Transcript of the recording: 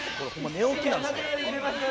寝起きなんですよ」